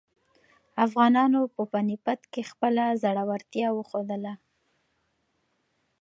افغانانو په پاني پت کې خپله زړورتیا وښودله.